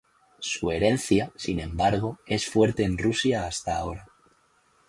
Su herencia, sin embargo, es fuerte en Rusia hasta ahora.